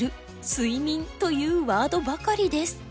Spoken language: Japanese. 「睡眠」というワードばかりです。